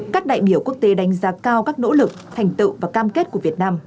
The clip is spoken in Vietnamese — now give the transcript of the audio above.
các đại biểu quốc tế đánh giá cao các nỗ lực thành tựu và cam kết của việt nam